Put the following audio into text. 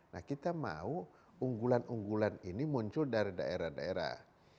nah kita mau unggulan unggulan ini muncul dari daerah daerah